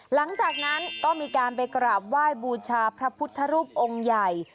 หลังจากนั้นก็มีการไปกราบไหว้บูชาพระพุทธรูปองค์ใหญ่